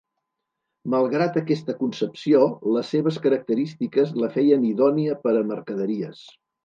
Malgrat aquesta concepció, les seves característiques la feien idònia per a mercaderies.